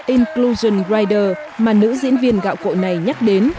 inclusion rider mà nữ diễn viên gạo cội này nhắc đến